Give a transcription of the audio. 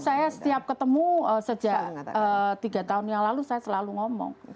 saya setiap ketemu sejak tiga tahun yang lalu saya selalu ngomong